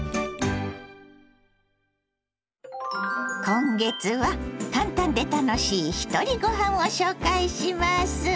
今月は「簡単で楽しいひとりごはん」を紹介します。